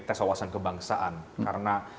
tes wawasan kebangsaan karena